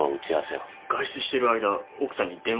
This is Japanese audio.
外出してる間奥さんに電話とかしました？